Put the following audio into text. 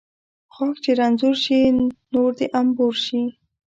غاښ چې رنځور شي ، نور د انبور شي